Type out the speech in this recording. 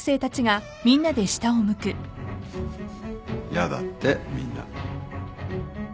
やだってみんな。